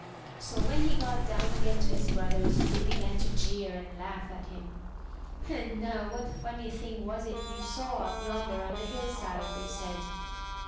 So when he got down again to his brothers, they began to jeer and laugh at him. "And now, what funny thing was it you saw up yonder on the hill side?" they said.